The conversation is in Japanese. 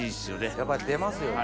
やっぱり出ますよね。